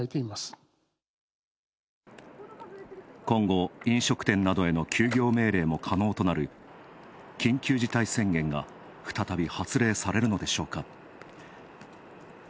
今後、飲食店などへの休業命令も可能となる緊急事態宣言が再び発令されるのでしょうか。